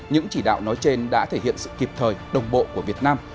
những chỉ đạo nói trên đã thể hiện sự kịp thời đồng bộ của việt nam